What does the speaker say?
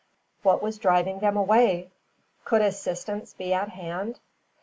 What was driving them away? Could assistance be at hand?